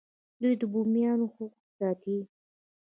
دوی د بومیانو حقوق ساتي.